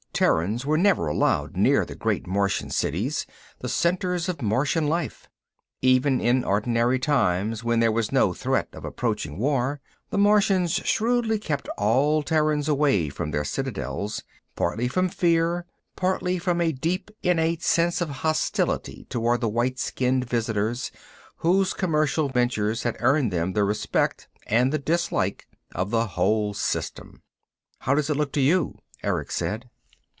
Terrans were never allowed near the great Martian cities, the centers of Martian life. Even in ordinary times, when there was no threat of approaching war, the Martians shrewdly kept all Terrans away from their citadels, partly from fear, partly from a deep, innate sense of hostility toward the white skinned visitors whose commercial ventures had earned them the respect, and the dislike, of the whole system. "How does it look to you?" Erick said.